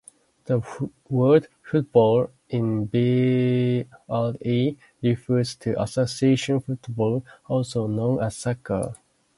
The word "football" in BrE refers to Association football, also known as soccer.